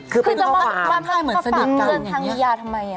คือเป็นข้อความคือจะมาทักทายเหมือนสนิทกันอย่างนี้